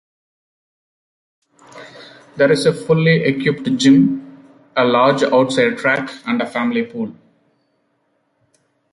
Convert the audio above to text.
There is a fully equipped gym, a large outside track, and a family pool.